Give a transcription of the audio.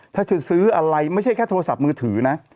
ถ้าจะซื้ออะไรไม่ใช่แค่โทรศัพท์มือถือนะ